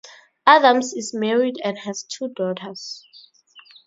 Adams is married and has two daughters.